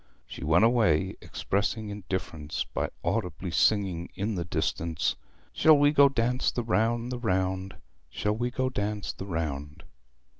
She went away, expressing indifference by audibly singing in the distance 'Shall we go dance the round, the round, the round, Shall we go dance the round?'